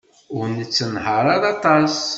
Ur nettenhaṛ ara aṭas.